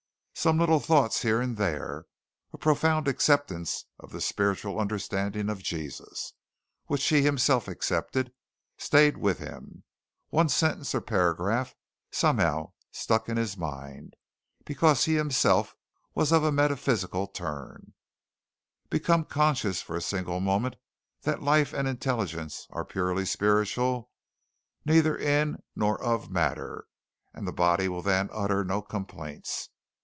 Some little thoughts here and there a profound acceptance of the spiritual understanding of Jesus, which he himself accepted, stayed with him. One sentence or paragraph somehow stuck in his mind, because he himself was of a metaphysical turn "Become conscious for a single moment that life and intelligence are purely spiritual, neither in nor of matter, and the body will then utter no complaints.